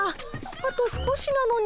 あと少しなのに。